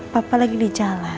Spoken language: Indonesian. papa lagi di jalan